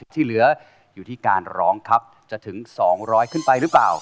ที่เหลืออยู่ที่การร้องครับจะถึง๒๐๐ขึ้นไปหรือเปล่า